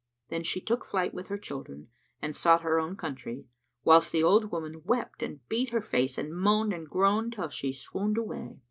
Then she took flight with her children and sought her own country, whilst the old woman wept and beat her face and moaned and groaned till she swooned away.